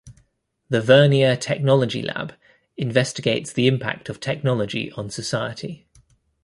The Vernier Technology Lab investigates the impact of technology on society.